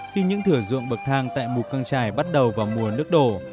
khi những thử dụng bậc thang tại mùa căng trải bắt đầu vào mùa nước đổ